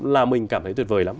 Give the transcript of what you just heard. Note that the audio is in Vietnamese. là mình cảm thấy tuyệt vời lắm